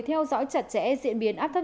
theo dõi chặt chẽ diễn biến áp thấp